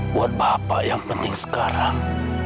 buat bapak yang penting sekarang